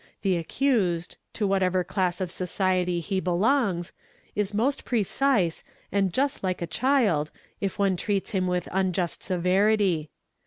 || EXAMINATION OF ACCUSED 115 to whatever class of society he belongs, is most precise, and just like a child, if one treats him with unjust severity.